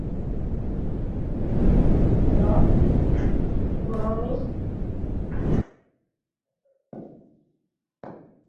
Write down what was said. Secondly, mutual respect is crucial in a good team.